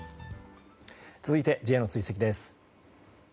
続いてＪの追跡です。